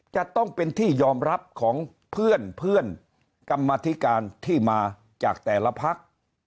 จะต้องเป็นที่ยอมรับของเพื่อนกรรมธิการที่มาจากแต่ละพัก